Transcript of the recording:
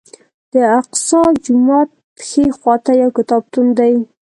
د الاقصی جومات ښي خوا ته یو کتابتون دی.